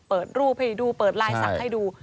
เปิดรูปให้ดูเปิดไล่สักให้ดู